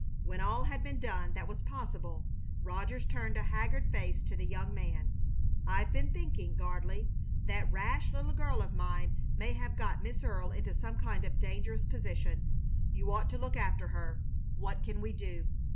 When all had been done that was possible Rogers turned a haggard face to the young man. "I've been thinking, Gardley, that rash little girl of mine may have got Miss Earle into some kind of a dangerous position. You ought to look after her. What can we do?"